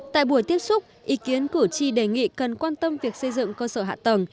tại buổi tiếp xúc ý kiến cử tri đề nghị cần quan tâm việc xây dựng cơ sở hạ tầng